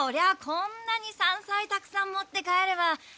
こんなに山菜たくさん持って帰れば。